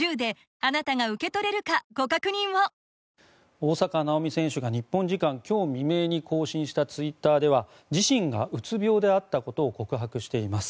大坂なおみ選手が日本時間今日未明に更新したツイッターでは自身がうつ病であったことを告白しています。